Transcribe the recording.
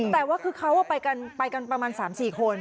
แต่ว่าคือเขาไปกันประมาณ๓๔คน